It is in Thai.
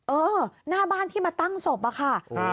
เออหน้าบ้านที่มาตั้งศพอะค่ะ